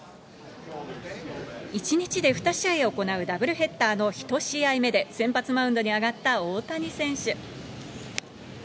１日で２試合行うダブルヘッダーの１試合目で、先発マウンドにあがった大谷選手。